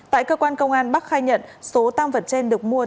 tại cơ quan công an bắc khai nhận số tăng vật trên được mua